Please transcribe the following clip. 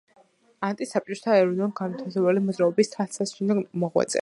ანტი-საბჭოთა ეროვნულ-განმათავისუფლებელი მოძრაობის თვალსაჩინო მოღვაწე.